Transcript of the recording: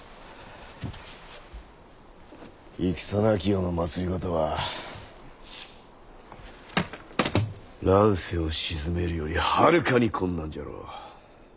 戦なき世の政は乱世を鎮めるよりはるかに困難じゃろう。